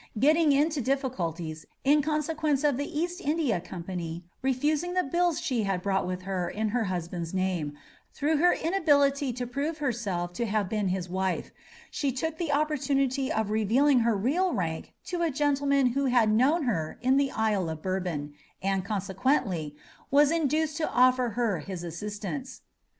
Getting into difficulties, in consequence of the East India Company refusing the bills she had brought with her in her husband's name, through her inability to prove herself to have been his wife, she took the opportunity of revealing her real rank to a gentleman who had known her in the Isle of Bourbon and, consequently, was induced to offer her his assistance.